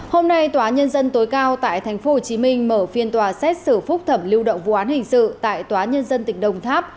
hôm nay tòa nhân dân tối cao tại tp hcm mở phiên tòa xét xử phúc thẩm lưu động vụ án hình sự tại tòa nhân dân tỉnh đồng tháp